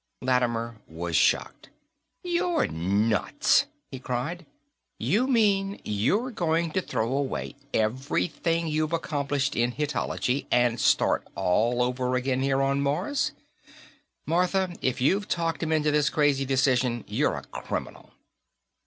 Lattimer was shocked. "You're nuts!" he cried. "You mean you're going to throw away everything you've accomplished in Hittitology and start all over again here on Mars? Martha, if you've talked him into this crazy decision, you're a criminal!"